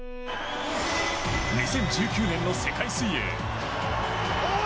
２０１９年の世界水泳。